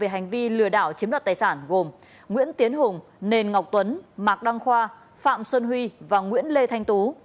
hành vi lừa đảo chiếm đoạt tài sản gồm nguyễn tiến hùng nền ngọc tuấn mạc đăng khoa phạm xuân huy và nguyễn lê thanh tú